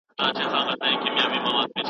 که مې پخلا کړې د هندوې لور به يمه